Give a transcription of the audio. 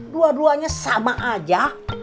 dua duanya sama aja